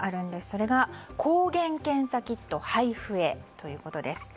それが、抗原検査キット配布へということです。